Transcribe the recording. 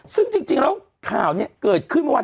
ซึ่งจริงแล้วข่าวเนี่ยเกิดขึ้นว่า